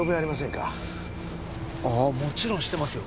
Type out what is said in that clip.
ああもちろん知っていますよ。